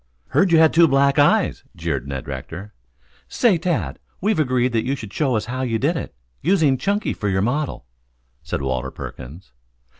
"Heard you had two black eyes," jeered Ned Rector. "Say, Tad, we've agreed that you shall show us how you did it, using Chunky for your model," said Walter Perkins.